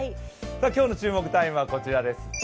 今日の注目タイムはこちらです。